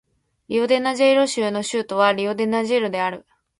リオデジャネイロ州の州都はリオデジャネイロである